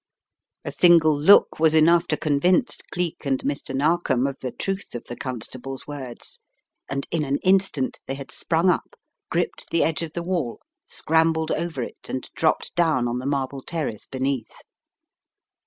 A single look was enough to convince Cleek and Mr. Narkom of the truth of the constable's words, and in an instant they had sprung up, gripped the edge of the wall, scrambled over it and dropped down on the marble terrpce beneath.